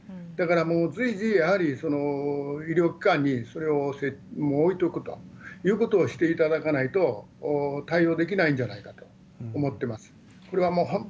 だから、もう随時、やはり医療機関にそれをもう置いておくということをしていただかないと、対応できないんじゃないかと思ってます。